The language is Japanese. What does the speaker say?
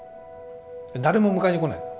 誰も迎えに来ないの。